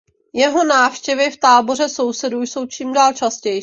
Jeho návštěvy v táboře sousedů jsou čím dál častější.